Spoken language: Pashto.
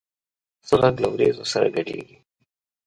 پسه غږ له وریځو سره ګډېږي.